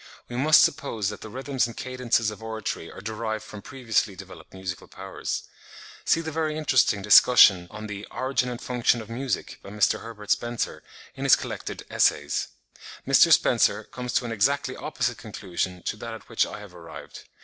We must suppose that the rhythms and cadences of oratory are derived from previously developed musical powers. (39. See the very interesting discussion on the 'Origin and Function of Music,' by Mr. Herbert Spencer, in his collected 'Essays,' 1858, p. 359. Mr. Spencer comes to an exactly opposite conclusion to that at which I have arrived.